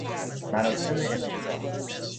مراسم افتتاح